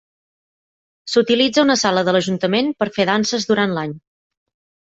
S"utilitza una sala de l"ajuntament per fer danses durant l"any.